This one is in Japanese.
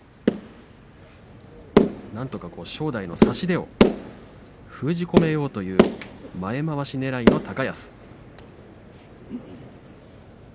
なんとか正代の差し手を封じ込めようという前まわしねらいの高安。